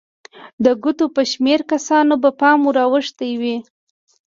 د ګوتو په شمېر کسانو به پام ور اوښتی وي.